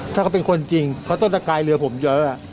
ถ้าเขาเป็นคนจริงเพราะต้นตะกายเรือผมเยอะ